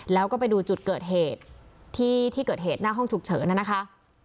แล้วก็ไปดูจุดเกิดเหตุที่ที่เกิดเหตุหน้าห้องฉุกเฉินนะคะ